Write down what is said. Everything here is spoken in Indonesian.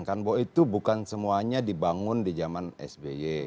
kan bahwa itu bukan semuanya dibangun di zaman sby